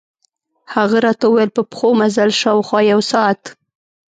هغه راته ووېل په پښو مزل، شاوخوا یو ساعت.